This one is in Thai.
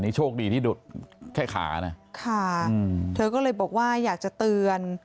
โชคดีที่ดุดแค่ขานะค่ะเธอก็เลยบอกว่าอยากจะเตือน